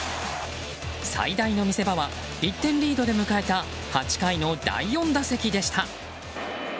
最大の見せ場は１点リードで迎えた８回の第４打席でした。